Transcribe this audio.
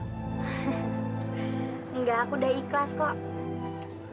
enggak aku udah ikhlas kok